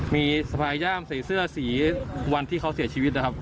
มีสภาย่ามใส่เสื้อสีวันที่เขาเสียชีวิตนะครับ